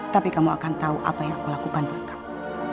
tapi kamu akan tahu apa yang aku lakukan buat kamu